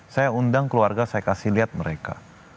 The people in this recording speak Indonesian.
saya undang keluarga saya kasih lihat mereka